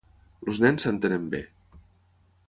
Els nens s'entenen bé.